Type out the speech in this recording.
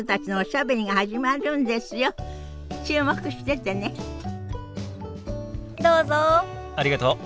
ありがとう。